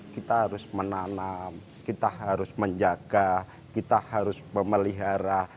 kita harus menanam kita harus menjaga kita harus memelihara